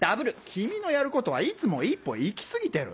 君のやることはいつも一歩行き過ぎてる。